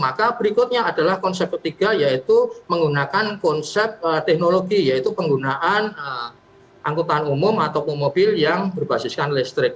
maka berikutnya adalah konsep ketiga yaitu menggunakan konsep teknologi yaitu penggunaan angkutan umum ataupun mobil yang berbasiskan listrik